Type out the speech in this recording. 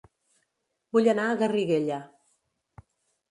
Vull anar a Garriguella